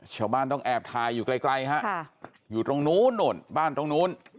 ชาวบ้านต้องแอบถ่ายอยู่ไกลฮะอยู่ตรงนู้นนู่นบ้านตรงนู้น